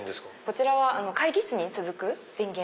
こちらは会議室に続く電源。